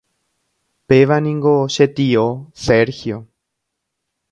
Péva ningo che tio Sergio.